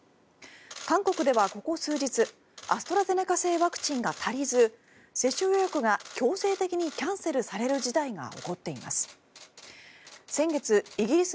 韓国ではここ数日アストラゼネカ製ワクチンが足りず接種予約が強制的にキャンセルされる事態が起こっています。